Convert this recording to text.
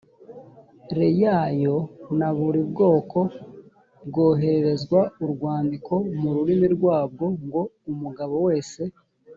re yayo na buri bwoko bwohererezwa urwandiko mu rurimi rwabwo ngo umugabo wese